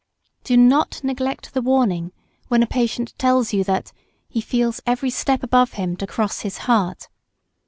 Do not neglect the warning, when a patient tells you that he "Feels every step above him to cross his heart."